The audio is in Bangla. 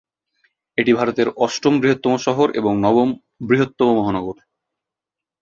এটি ভারতের অষ্টম বৃহত্তম শহর এবং নবম বৃহত্তম মহানগর।